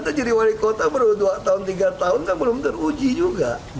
kita jadi wali kota baru dua tahun tiga tahun kan belum teruji juga